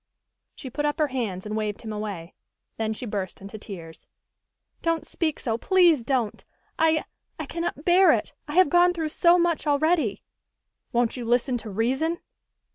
She put up her hands, and waved him away. Then she burst into tears. "Don't speak so, please don't! I I cannot bear it, I have gone through so much already!" "Won't you listen to reason?"